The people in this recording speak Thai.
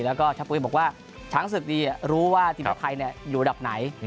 แล้วก็ชะปุ๋ยบอกว่าช้างศึกดีรู้ว่าทีมชาติไทยอยู่ระดับไหน